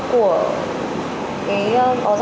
cái có rau này được không